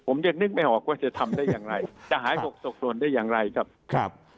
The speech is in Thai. ผมยังนึกไม่ออกว่าจะทำได้อย่างไรจะหายหกตกหล่นได้อย่างไรครับครับ